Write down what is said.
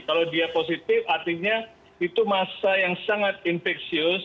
kalau dia positif artinya itu masa yang sangat infeksius